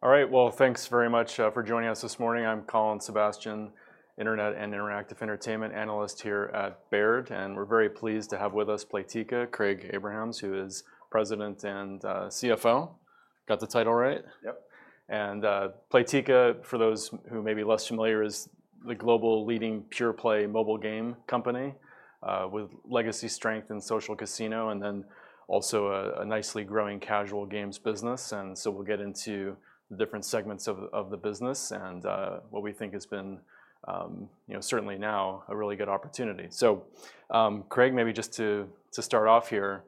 All right, well, thanks very much for joining us this morning. I'm Colin Sebastian, Internet and Interactive Entertainment analyst here at Baird, and we're very pleased to have with us Playtika, Craig Abrahams, who is President and CFO. Got the title right? Yep. Playtika, for those who may be less familiar, is the global leading pure-play mobile game company with legacy strength in social casino, and then also a nicely growing casual games business. So, we'll get into the different segments of the business, and what we think has been, you know, certainly now a really good opportunity. Craig, maybe just to start off here,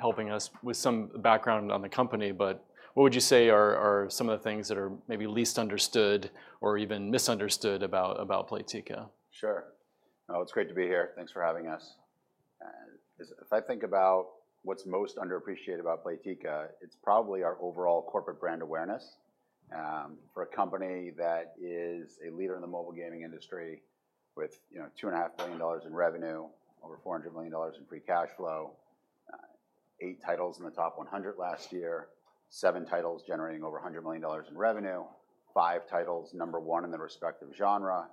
helping us with some background on the company, but what would you say are some of the things that are maybe least understood or even misunderstood about Playtika? Sure. It's great to be here. Thanks for having us. If I think about what's most underappreciated about Playtika, it's probably our overall corporate brand awareness. For a company that is a leader in the mobile gaming industry with, you know, $2.5 billion in revenue, over $400 million in free cash flow, eight titles in the top 100 last year, seven titles generating over $100 million in revenue, five titles number one in their respective genre.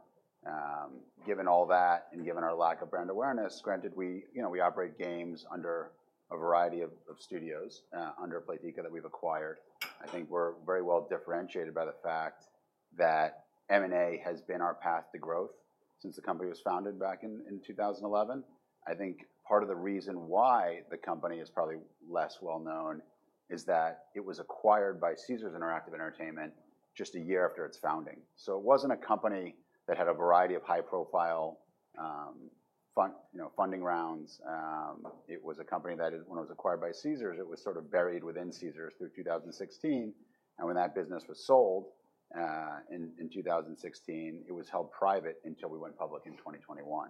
Given all that, and given our lack of brand awareness, granted, we, you know, we operate games under a variety of, of studios, under Playtika that we've acquired. I think we're very well differentiated by the fact that M&A has been our path to growth since the company was founded back in 2011. I think part of the reason why the company is probably less well known is that it was acquired by Caesars Interactive Entertainment just a year after its founding. So it wasn't a company that had a variety of high-profile, you know, funding rounds. It was a company that, when it was acquired by Caesars, it was sort of buried within Caesars through 2016. And when that business was sold, in 2016, it was held private until we went public in 2021.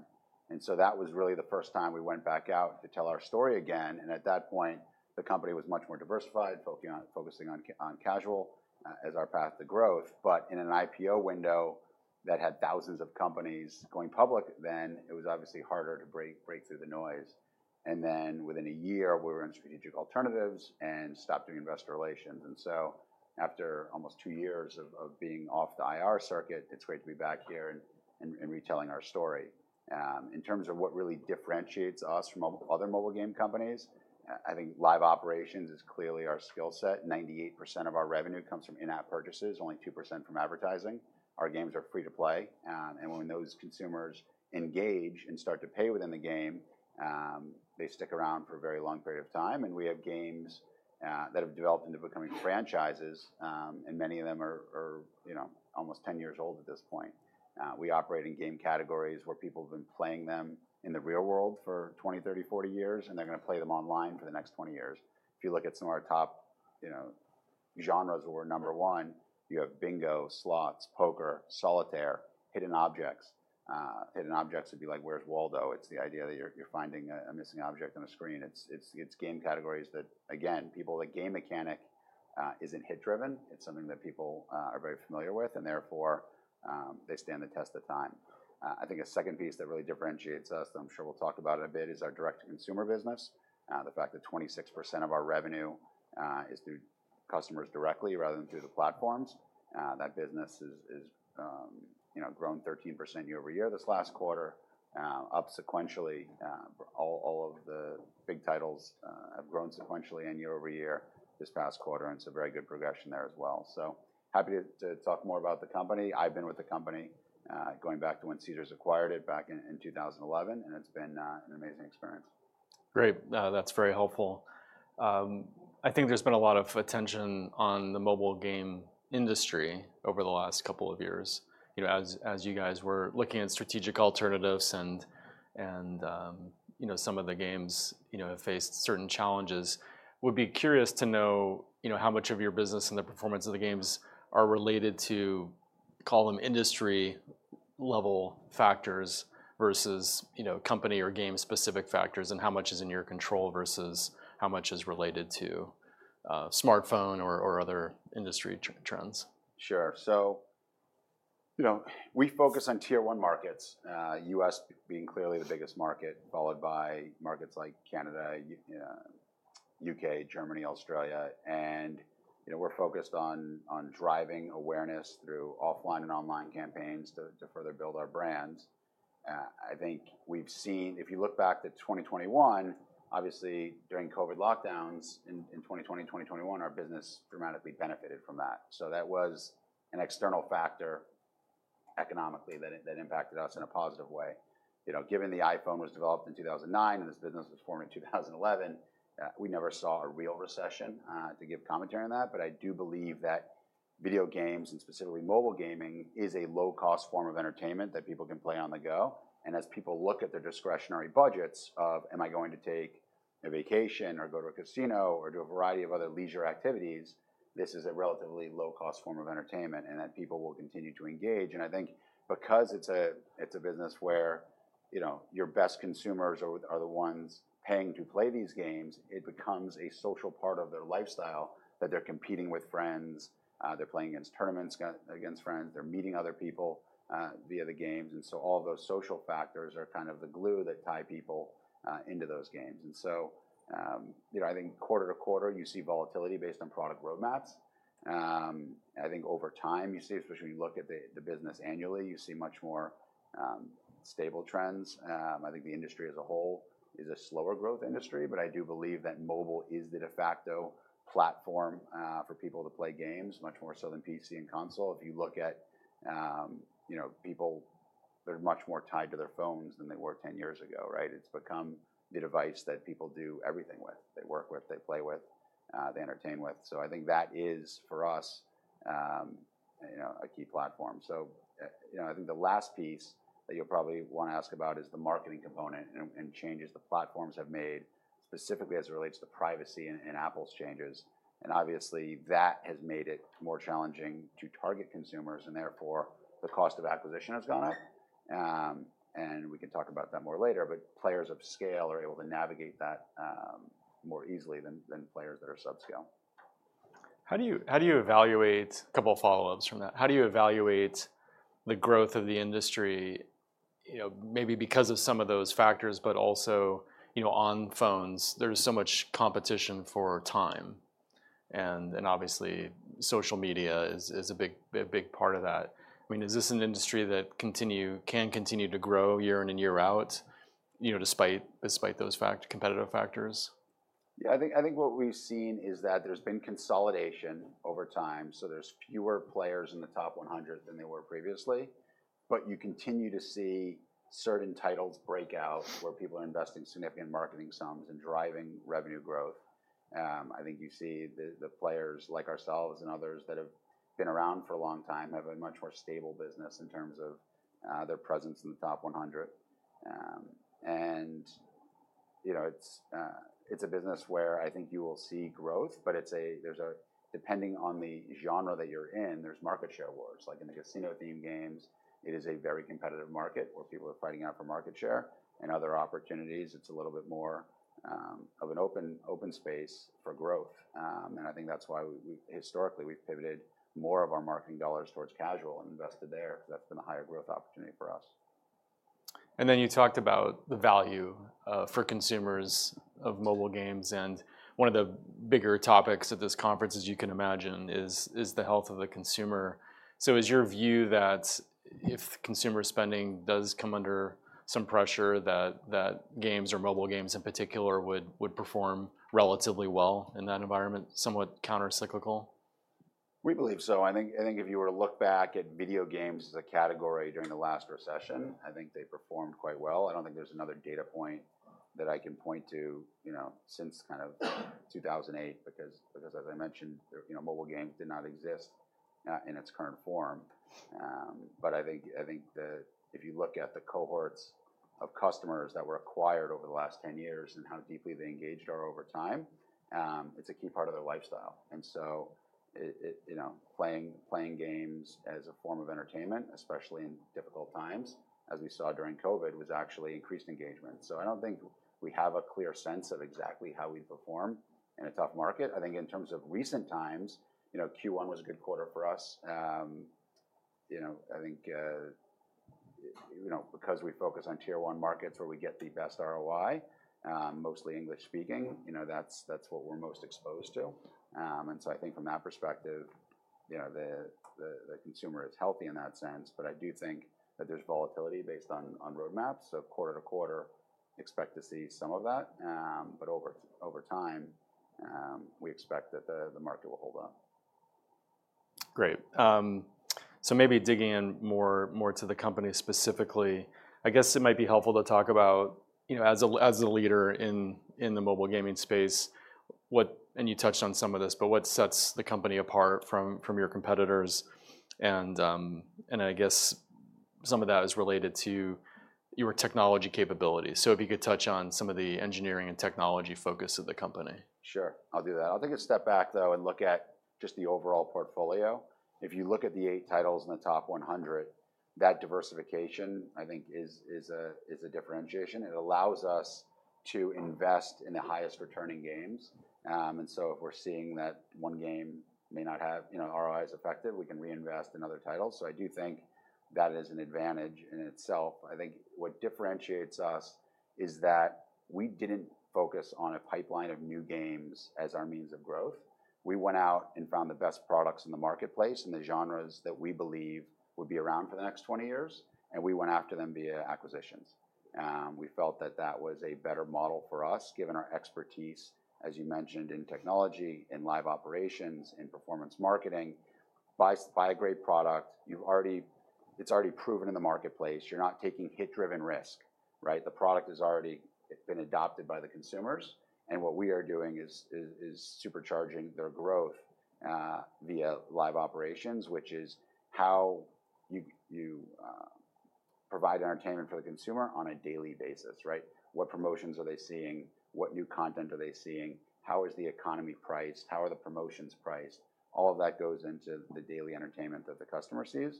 And so that was really the first time we went back out to tell our story again, and at that point, the company was much more diversified, focusing on, focusing on casual, as our path to growth. But in an IPO window that had thousands of companies going public, then, it was obviously harder to break, break through the noise. And then within a year, we were in strategic alternatives and stopped doing investor relations. And so after almost two years of, of being off the IR circuit, it's great to be back here and, and retelling our story. In terms of what really differentiates us from other mobile game companies, I think live operations is clearly our skill set. 98% of our revenue comes from in-app purchases, only 2% from advertising. Our games are free to play. And when those consumers engage and start to pay within the game, they stick around for a very long period of time, and we have games that have developed into becoming franchises, and many of them are, you know, almost 10 years old at this point. We operate in game categories where people have been playing them in the real world for 20, 30, 40 years, and they're gonna play them online for the next 20 years. If you look at some of our top, you know, genres, where we're number one, you have bingo, slots, poker, solitaire, hidden objects. Hidden objects would be like, Where's Waldo? It's the idea that you're, you're finding a, a missing object on a screen. It's, it's, it's game categories that, again, people, the game mechanic isn't hit driven. It's something that people are very familiar with, and therefore, they stand the test of time. I think a second piece that really differentiates us, and I'm sure we'll talk about it a bit, is our direct-to-consumer business. The fact that 26% of our revenue is through customers directly, rather than through the platforms. That business is, you know, grown 13% year-over-year this last quarter, up sequentially. All of the big titles have grown sequentially and year-over-year this past quarter, and so very good progression there as well. So happy to talk more about the company. I've been with the company, going back to when Caesars acquired it back in 2011, and it's been an amazing experience. Great! That's very helpful. I think there's been a lot of attention on the mobile game industry over the last couple of years. You know, as you guys were looking at strategic alternatives and, you know, some of the games, you know, have faced certain challenges. Would be curious to know, you know, how much of your business and the performance of the games are related to, call them industry level factors versus, you know, company or game-specific factors, and how much is in your control versus how much is related to, smartphone or other industry trends? Sure. So, you know, we focus on Tier 1 markets, U.S. being clearly the biggest market, followed by markets like Canada, U.K., Germany, Australia, and, you know, we're focused on driving awareness through offline and online campaigns to further build our brands. I think we've seen, if you look back to 2021, obviously, during COVID lockdowns in 2020 and 2021, our business dramatically benefited from that. So that was an external factor economically, that impacted us in a positive way. You know, given the iPhone was developed in 2009 and this business was formed in 2011, we never saw a real recession to give commentary on that. But I do believe that video games, and specifically mobile gaming, is a low-cost form of entertainment that people can play on the go. As people look at their discretionary budgets of: Am I going to take a vacation, or go to a casino, or do a variety of other leisure activities? This is a relatively low-cost form of entertainment and that people will continue to engage. And I think because it's a, it's a business where, you know, your best consumers are the ones paying to play these games, it becomes a social part of their lifestyle, that they're competing with friends, they're playing against tournaments, against friends, they're meeting other people via the games. And so all those social factors are kind of the glue that tie people into those games. And so, you know, I think quarter-to-quarter, you see volatility based on product roadmaps. I think over time, you see, especially when you look at the, the business annually, you see much more, stable trends. I think the industry as a whole is a slower growth industry, but I do believe that mobile is the de facto platform, for people to play games, much more so than PC and console. If you look at, you know, people, they're much more tied to their phones than they were ten years ago, right? It's become the device that people do everything with. They work with, they play with, they entertain with. So I think that is, for us, you know, a key platform. So, you know, I think the last piece that you'll probably wanna ask about is the marketing component and, and changes the platforms have made, specifically as it relates to privacy and, and Apple's changes. And obviously, that has made it more challenging to target consumers, and therefore, the cost of acquisition has gone up. We can talk about that more later, but players of scale are able to navigate that more easily than players that are sub-scale. How do you evaluate a couple of follow-ups from that? How do you evaluate the growth of the industry? You know, maybe because of some of those factors, but also, you know, on phones, there's so much competition for time, and obviously, social media is a big part of that. I mean, is this an industry that can continue to grow year in and year out, you know, despite those factors, competitive factors? Yeah, I think, I think what we've seen is that there's been consolidation over time, so there's fewer players in the top 100 than there were previously. But you continue to see certain titles break out, where people are investing significant marketing sums and driving revenue growth. I think you see the players like ourselves and others that have been around for a long time have a much more stable business in terms of their presence in the top 100. And, you know, it's a business where I think you will see growth, but it's a, there's a, depending on the genre that you're in, there's market share wars. Like in the casino-themed games, it is a very competitive market where people are fighting out for market share. In other opportunities, it's a little bit more of an open space for growth. And I think that's why we've historically pivoted more of our marketing dollars towards casual and invested there. That's been a higher growth opportunity for us. And then you talked about the value for consumers of mobile games, and one of the bigger topics of this conference, as you can imagine, is the health of the consumer. So is your view that if consumer spending does come under some pressure, that games or mobile games in particular, would perform relatively well in that environment, somewhat countercyclical? We believe so. I think if you were to look back at video games as a category during the last recession, I think they performed quite well. I don't think there's another data point that I can point to, you know, since kind of 2008, because as I mentioned, you know, mobile games did not exist in its current form. But I think if you look at the cohorts of customers that were acquired over the last 10 years and how deeply they engaged are over time, it's a key part of their lifestyle. And so it, you know, playing games as a form of entertainment, especially in difficult times, as we saw during COVID, was actually increased engagement. So I don't think we have a clear sense of exactly how we perform in a tough market. I think in terms of recent times, you know, Q1 was a good quarter for us. You know, I think, you know, because we focus on Tier 1 markets where we get the best ROI, mostly English-speaking, you know, that's, that's what we're most exposed to. And so I think from that perspective, you know, the consumer is healthy in that sense, but I do think that there's volatility based on roadmaps. So quarter-to-quarter, expect to see some of that, but over time, we expect that the market will hold up. Great. So maybe digging in more to the company specifically, I guess it might be helpful to talk about, you know, as a leader in the mobile gaming space, what, and you touched on some of this, but what sets the company apart from your competitors? I guess some of that is related to your technology capabilities. So if you could touch on some of the engineering and technology focus of the company. Sure, I'll do that. I'll take a step back, though, and look at just the overall portfolio. If you look at the eight titles in the top 100, that diversification, I think, is a differentiation. It allows us to invest in the highest-returning games. And so if we're seeing that one game may not have, you know, ROIs effective, we can reinvest in other titles. So I do think that is an advantage in itself. I think what differentiates us is that we didn't focus on a pipeline of new games as our means of growth. We went out and found the best products in the marketplace and the genres that we believe would be around for the next 20 years, and we went after them via acquisitions. We felt that that was a better model for us, given our expertise, as you mentioned, in technology, in live operations, in performance marketing. Buy a great product, you've already—it's already proven in the marketplace. You're not taking hit-driven risk, right? The product is already, it's been adopted by the consumers, and what we are doing is supercharging their growth via live operations, which is how you provide entertainment for the consumer on a daily basis, right? What promotions are they seeing? What new content are they seeing? How is the economy priced? How are the promotions priced? All of that goes into the daily entertainment that the customer sees.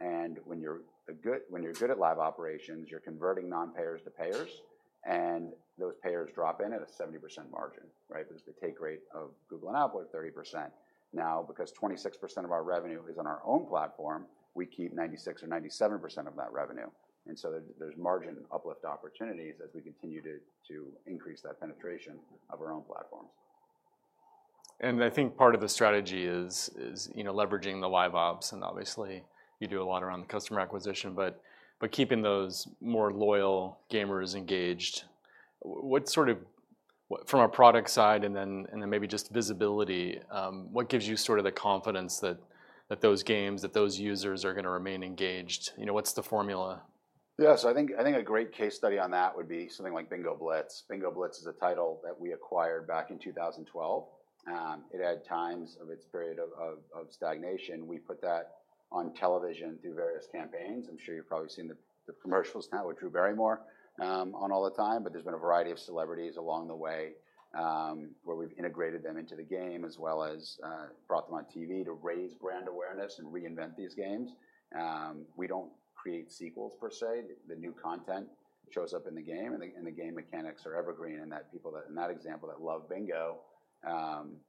And when you're good at live operations, you're converting non-payers to payers, and those payers drop in at a 70% margin, right? Because the take rate of Google and Apple are 30%. Now, because 26% of our revenue is on our own platform, we keep 96% or 97% of that revenue. And so there, there's margin uplift opportunities as we continue to increase that penetration of our own platforms. I think part of the strategy is, you know, leveraging the live ops, and obviously, you do a lot around the customer acquisition, but keeping those more loyal gamers engaged. What sort of from a product side, and then maybe just visibility, what gives you sort of the confidence that those games, that those users are gonna remain engaged? You know, what's the formula? Yeah, so I think, I think a great case study on that would be something like Bingo Blitz. Bingo Blitz is a title that we acquired back in 2012. It had times of its period of stagnation. We put that on television through various campaigns. I'm sure you've probably seen the commercials now with Drew Barrymore on all the time, but there's been a variety of celebrities along the way, where we've integrated them into the game, as well as brought them on TV to raise brand awareness and reinvent these games. We don't create sequels, per se. The new content shows up in the game, and the game mechanics are evergreen, and that people that, in that example, that love Bingo,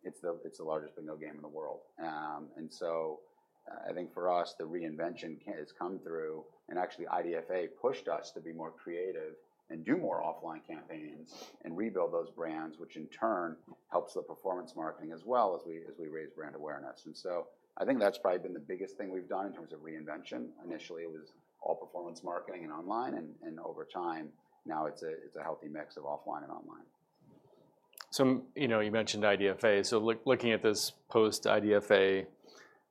it's the largest bingo game in the world. And so, I think for us, the reinvention has come through, and actually IDFA pushed us to be more creative and do more offline campaigns and rebuild those brands, which in turn helps the performance marketing as well, as we, as we raise brand awareness. I think that's probably been the biggest thing we've done in terms of reinvention. Initially, it was all performance marketing and online, and over time, now it's a healthy mix of offline and online. So, you know, you mentioned IDFA. So look, looking at this post-IDFA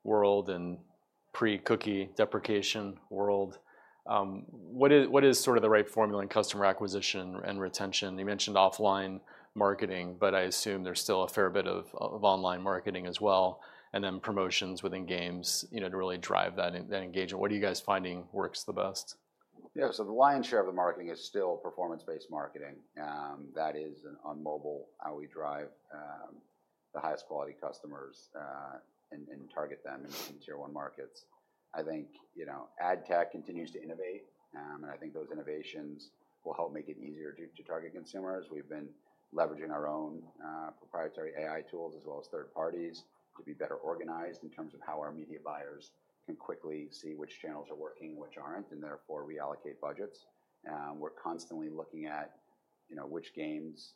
world and pre-cookie deprecation world, what is sort of the right formula in customer acquisition and retention? You mentioned offline marketing, but I assume there's still a fair bit of online marketing as well, and then promotions within games, you know, to really drive that engagement. What are you guys finding works the best? Yeah, so the Lion's Share of the marketing is still performance-based marketing. That is, on mobile, how we drive the highest quality customers and target them in Tier 1 markets. I think, you know, ad tech continues to innovate, and I think those innovations will help make it easier to target consumers. We've been leveraging our own proprietary AI tools, as well as third parties, to be better organized in terms of how our media buyers can quickly see which channels are working and which aren't, and therefore reallocate budgets. We're constantly looking at, you know, which games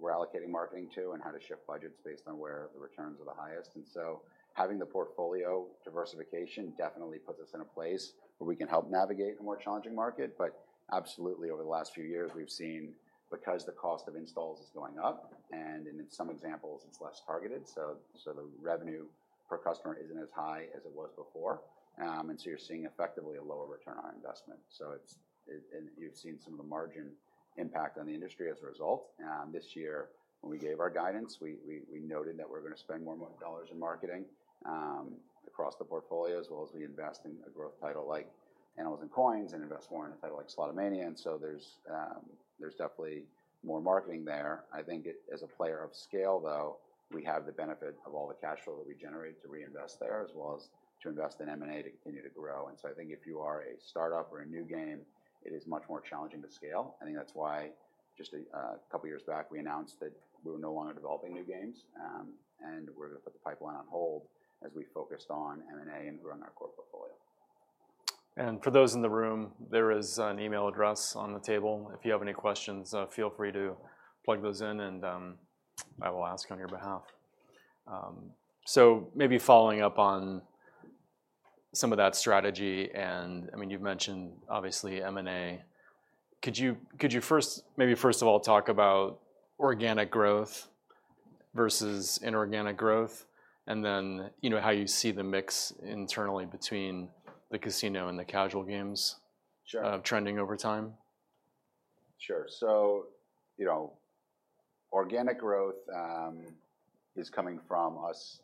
we're allocating marketing to and how to shift budgets based on where the returns are the highest. And so having the portfolio diversification definitely puts us in a place where we can help navigate a more challenging market. But absolutely, over the last few years, we've seen because the cost of installs is going up, and in some examples, it's less targeted, so the revenue per customer isn't as high as it was before. And so you're seeing effectively a lower return on investment. So it's—and you've seen some of the margin impact on the industry as a result. This year, when we gave our guidance, we noted that we're gonna spend more dollars in marketing across the portfolio, as well as we invest in a growth title like Animals & Coins and invest more in a title like Slotomania. And so there's definitely more marketing there. I think as a player of scale, though, we have the benefit of all the cash flow that we generate to reinvest there, as well as to invest in M&A to continue to grow. And so I think if you are a start-up or a new game, it is much more challenging to scale. I think that's why just a couple of years back, we announced that we were no longer developing new games, and we're gonna put the pipeline on hold as we focused on M&A and grow our core portfolio. For those in the room, there is an email address on the table. If you have any questions, feel free to plug those in, and I will ask on your behalf. Maybe following up on some of that strategy, and I mean, you've mentioned, obviously, M&A. Could you, could you first, maybe first of all talk about organic growth versus inorganic growth, and then, you know, how you see the mix internally between the casino and the casual games— Sure. —trending over time? Sure. So, you know, organic growth is coming from us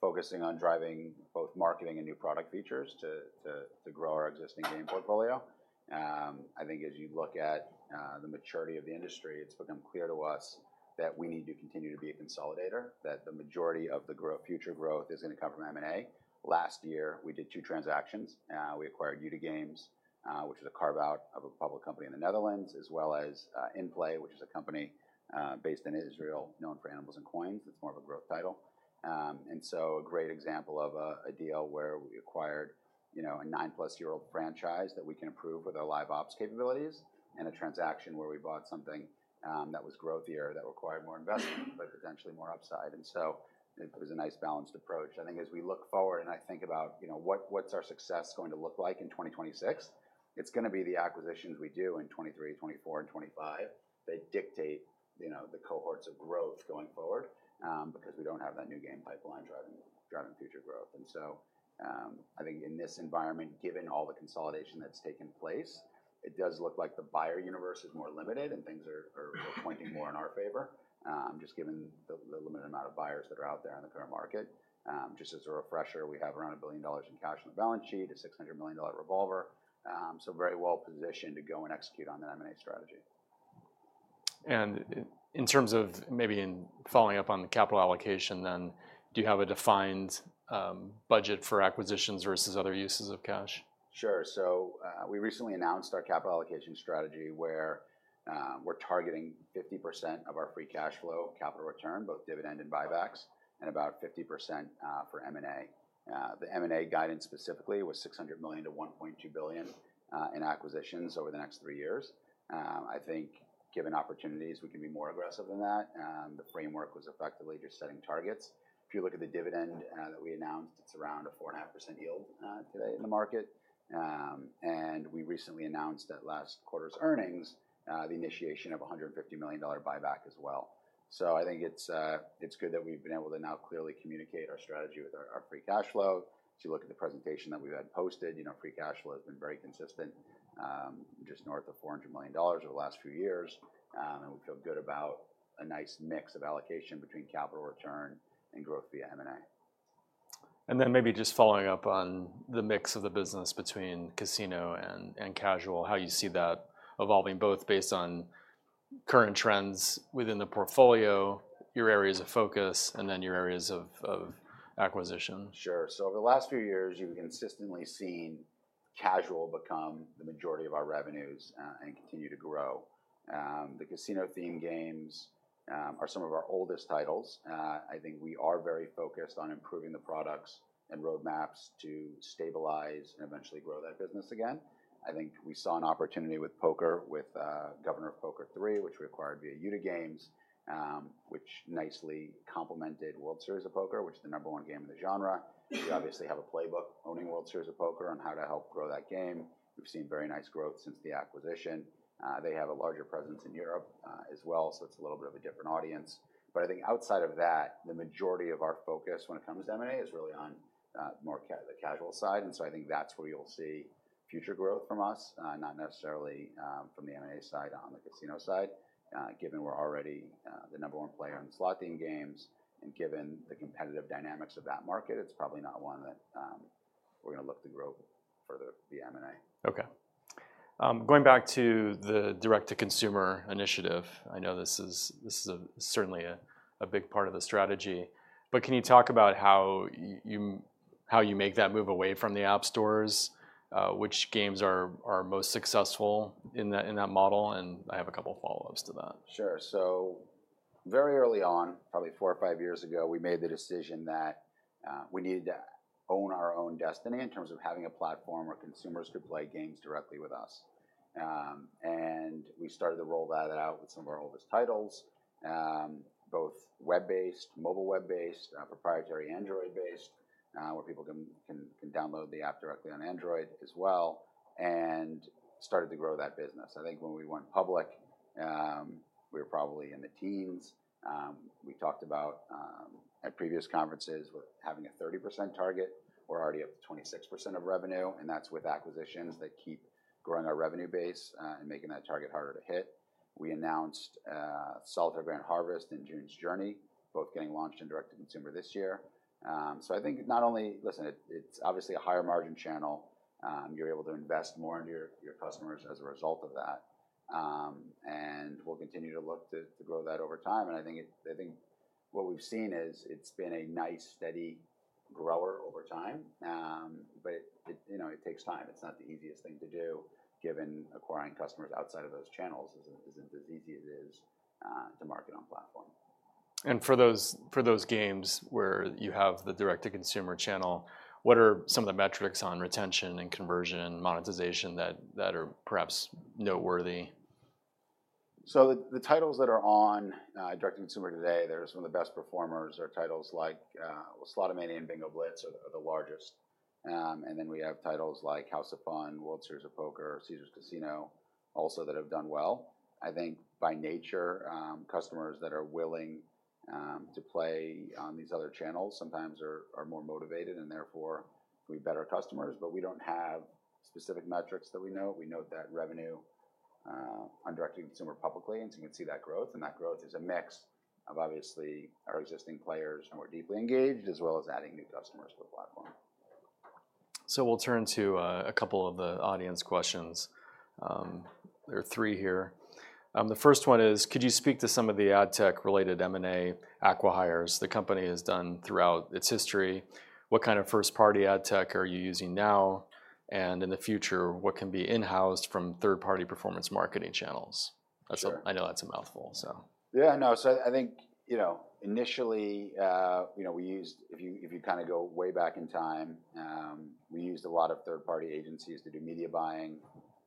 focusing on driving both marketing and new product features to grow our existing game portfolio. I think as you look at the maturity of the industry, it's become clear to us that we need to continue to be a consolidator, that the majority of the future growth is gonna come from M&A. Last year, we did two transactions. We acquired Youda Games, which is a carve-out of a public company in the Netherlands, as well as Innplay Labs, which is a company based in Israel, known for Animals & Coins. It's more of a growth title. And so a great example of a deal where we acquired, you know, a 9+-year-old franchise that we can improve with our live ops capabilities, and a transaction where we bought something that was growthier, that required more investment, but potentially more upside, and so it was a nice, balanced approach. I think as we look forward, and I think about, you know, what, what's our success going to look like in 2026? It's gonna be the acquisitions we do in 2023, 2024 and 2025 that dictate, you know, the cohorts of growth going forward, because we don't have that new game pipeline driving, driving future growth. And so, I think in this environment, given all the consolidation that's taken place, it does look like the buyer universe is more limited and things are, are pointing more in our favor. Just given the limited amount of buyers that are out there in the current market. Just as a refresher, we have around $1 billion in cash on the balance sheet, a $600 million revolver, so very well positioned to go and execute on the M&A strategy. In terms of maybe in following up on the capital allocation, then, do you have a defined budget for acquisitions versus other uses of cash? Sure. So, we recently announced our capital allocation strategy, where, we're targeting 50% of our free cash flow capital return, both dividend and buybacks, and about 50%, for M&A. The M&A guidance specifically was $600 million-1.2 billion in acquisitions over the next three years. I think given opportunities, we can be more aggressive than that. The framework was effectively just setting targets. If you look at the dividend that we announced, it's around a 4.5% yield today in the market. And we recently announced at last quarter's earnings the initiation of a $150 million buyback as well. So I think it's good that we've been able to now clearly communicate our strategy with our free cash flow. If you look at the presentation that we've had posted, you know, free cash flow has been very consistent, just north of $400 million over the last few years. And we feel good about a nice mix of allocation between capital return and growth via M&A. Then maybe just following up on the mix of the business between casino and casual, how you see that evolving, both based on current trends within the portfolio, your areas of focus, and then your areas of acquisition? Sure. So over the last few years, you've consistently seen casual become the majority of our revenues, and continue to grow. The casino-themed games are some of our oldest titles. I think we are very focused on improving the products and roadmaps to stabilize and eventually grow that business again. I think we saw an opportunity with poker, with Governor of Poker 3, which we acquired via Youda Games, which nicely complemented World Series of Poker, which is the number one game in the genre. We obviously have a playbook, owning World Series of Poker, on how to help grow that game. We've seen very nice growth since the acquisition. They have a larger presence in Europe, as well, so it's a little bit of a different audience. But I think outside of that, the majority of our focus when it comes to M&A is really on more casual side, and so I think that's where you'll see future growth from us, not necessarily from the M&A side on the casino side. Given we're already the number one player in the slot game themes, and given the competitive dynamics of that market, it's probably not one that we're gonna look to grow further via M&A. Okay. Going back to the direct-to-consumer initiative, I know this is certainly a big part of the strategy, but can you talk about how you make that move away from the app stores? Which games are most successful in that model? And I have a couple of follow-ups to that. Sure. So very early on, probably four or five years ago, we made the decision that we needed to own our own destiny in terms of having a platform where consumers could play games directly with us. We started to roll that out with some of our oldest titles, both web-based, mobile web-based, proprietary Android-based, where people can download the app directly on Android as well, and started to grow that business. I think when we went public, we were probably in the teens. We talked about, at previous conferences, we're having a 30% target. We're already at 26% of revenue, and that's with acquisitions that keep growing our revenue base, and making that target harder to hit. We announced Solitaire Grand Harvest and June's Journey, both getting launched in direct to consumer this year. So I think not only, listen, it's obviously a higher margin channel. You're able to invest more into your customers as a result of that. And we'll continue to look to grow that over time, and I think what we've seen is it's been a nice, steady grower over time. But you know, it takes time. It's not the easiest thing to do, given acquiring customers outside of those channels isn't as easy as it is to market on platform. For those games where you have the direct-to-consumer channel, what are some of the metrics on retention and conversion and monetization that are perhaps noteworthy? The titles that are on direct to consumer today, they're some of the best performers, are titles like, well, Slotomania and Bingo Blitz are the largest. Then we have titles like House of Fun, World Series of Poker, Caesars Casino, also that have done well. I think by nature, customers that are willing to play on these other channels sometimes are more motivated, and therefore, they're better customers. But we don't have specific metrics that we know. We know that revenue on direct to consumer publicly, and so you can see that growth, and that growth is a mix of, obviously, our existing players and more deeply engaged, as well as adding new customers to the platform. So we'll turn to a couple of the audience questions. There are three here. The first one is: could you speak to some of the ad tech-related M&A acquihires the company has done throughout its history? What kind of first-party ad tech are you using now? And in the future, what can be in-house from third-party performance marketing channels? Sure. I know that's a mouthful, so— You know, initially, we used a lot of third-party agencies to do media buying,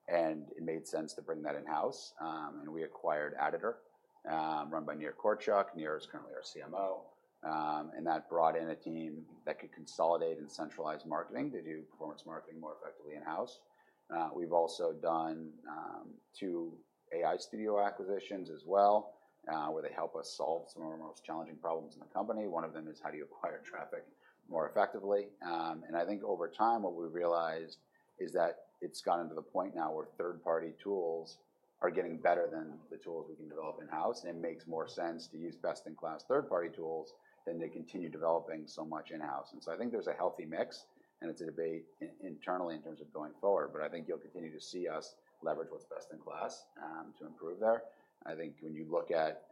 and it made sense to bring that in-house. If you kinda go way back in time, we used a lot of third-party agencies to do media buying, and it made sense to bring that in-house. We acquired Aditor, run by Nir Korczak. Nir is currently our CMO. That brought in a team that could consolidate and centralize marketing to do performance marketing more effectively in-house. We've also done two AI studio acquisitions as well, where they help us solve some of our most challenging problems in the company. One of them is, how do you acquire traffic more effectively? I think over time, what we've realized is that it's gotten to the point now where third-party tools are getting better than the tools we can develop in-house, and it makes more sense to use best-in-class third-party tools than to continue developing so much in-house. So I think there's a healthy mix, and it's a debate internally in terms of going forward, but I think you'll continue to see us leverage what's best-in-class to improve there. I think when you look at,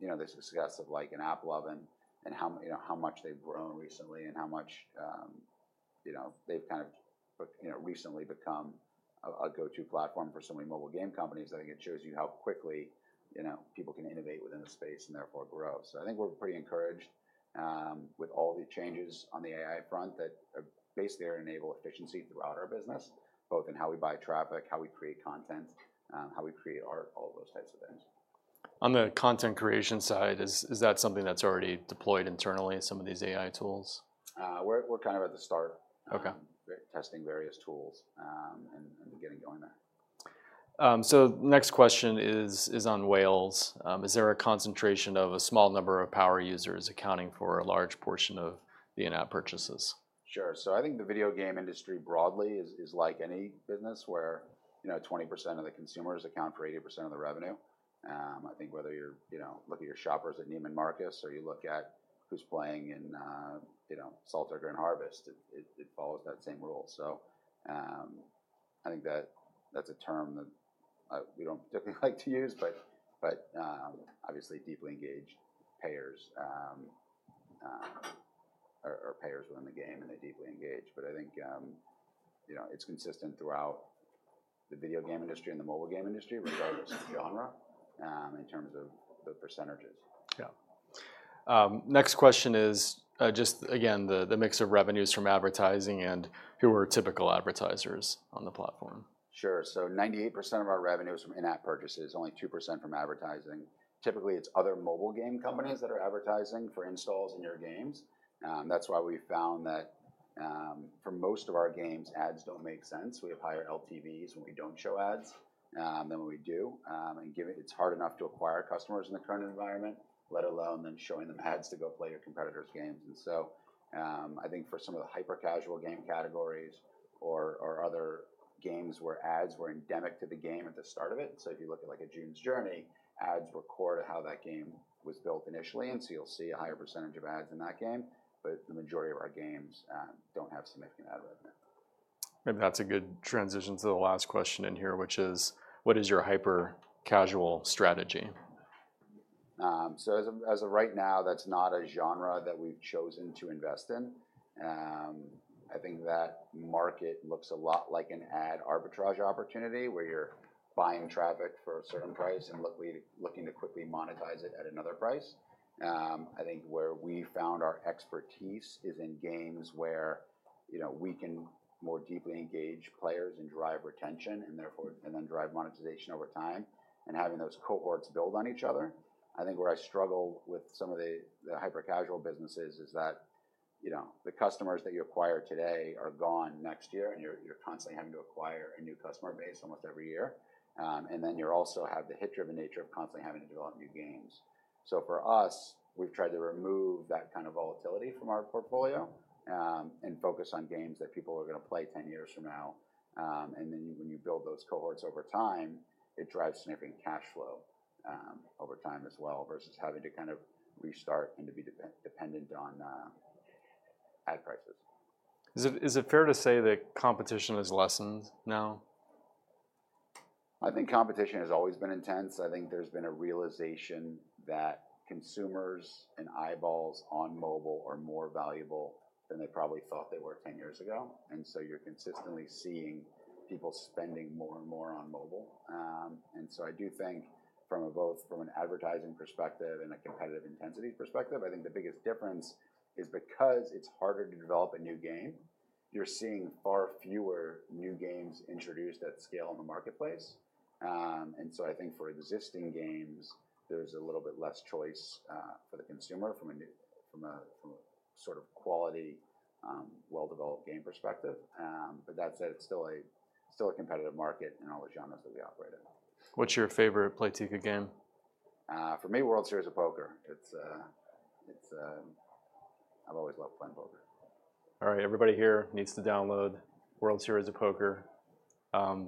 you know, the success of, like, AppLovin and how, you know, how much they've grown recently and how much, you know, they've kind of, you know, recently become a go-to platform for so many mobile game companies, I think it shows you how quickly, you know, people can innovate within a space and therefore grow. I think we're pretty encouraged with all the changes on the AI front that are basically enable efficiency throughout our business, both in how we buy traffic, how we create content, how we create art, all of those types of things. On the content creation side, is that something that's already deployed internally, some of these AI tools? We're kind of at the start— Okay. —testing various tools, and getting going there. Next question is on whales. Is there a concentration of a small number of power users accounting for a large portion of the in-app purchases? Sure. So I think the video game industry broadly is like any business where, you know, 20% of the consumers account for 80% of the revenue. I think whether you're, you know, looking at your shoppers at Neiman Marcus, or you look at who's playing in Solitaire Grand Harvest, it follows that same rule. So, I think that that's a term that we don't particularly like to use, but obviously, deeply engaged payers are payers within the game, and they're deeply engaged. But I think, you know, it's consistent throughout the video game industry and the mobile game industry, regardless of genre, in terms of the percentages. Yeah. Next question is, just again, the mix of revenues from advertising and who are typical advertisers on the platform? Sure. So, 98% of our revenue is from in-app purchases, only 2% from advertising. Typically, it's other mobile game companies that are advertising for installs in your games. That's why we found that, for most of our games, ads don't make sense. We have higher LTVs when we don't show ads than when we do. It's hard enough to acquire customers in the current environment, let alone then showing them ads to go play your competitor's games. And so, I think for some of the hyper-casual game categories or, or other games where ads were endemic to the game at the start of it, so if you look at, like, a June's Journey, ads were core to how that game was built initially, and so you'll see a higher percentage of ads in that game, but the majority of our games don't have significant ad revenue. Maybe that's a good transition to the last question in here, which is: What is your hyper-casual strategy? So as of right now, that's not a genre that we've chosen to invest in. I think that market looks a lot like an ad arbitrage opportunity, where you're buying traffic for a certain price and looking to quickly monetize it at another price. I think where we found our expertise is in games where, you know, we can more deeply engage players and drive retention, and therefore, and then drive monetization over time, and having those cohorts build on each other. I think where I struggle with some of the hyper-casual businesses is that, you know, the customers that you acquire today are gone next year, and you're constantly having to acquire a new customer base almost every year. And then you also have the hit-driven nature of constantly having to develop new games. For us, we've tried to remove that kind of volatility from our portfolio, and focus on games that people are gonna play 10 years from now. Then when you build those cohorts over time, it drives significant cash flow over time as well, versus having to kind of restart and to be dependent on ad prices. Is it, is it fair to say that competition has lessened now? I think competition has always been intense. I think there's been a realization that consumers and eyeballs on mobile are more valuable than they probably thought they were 10 years ago, and so you're consistently seeing people spending more and more on mobile. And so I do think from a both from an advertising perspective and a competitive intensity perspective, I think the biggest difference is because it's harder to develop a new game, you're seeing far fewer new games introduced at scale in the marketplace. And so I think for existing games, there's a little bit less choice, for the consumer from a new, from a, from a sort of quality, well-developed game perspective. But that said, it's still a, still a competitive market in all the genres that we operate in. What's your favorite Playtika game? For me, World Series of Poker. It's a—I've always loved playing poker. All right, everybody here needs to download World Series of Poker.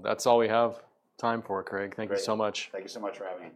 That's all we have time for, Craig. Great. Thank you so much. Thank you so much for having me.